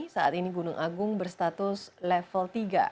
saat ini gunung agung berstatus level tiga